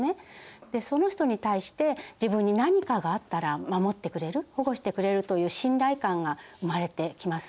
その人に対して自分に何かがあったら守ってくれる保護してくれるという信頼感が生まれてきます。